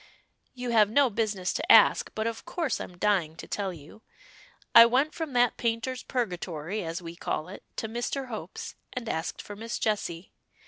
"You have no business to ask, but of course I'm dying to tell you. I went from that Painter's Purgatory as we call it, to Mr. Hope's, and asked for Miss Jessie.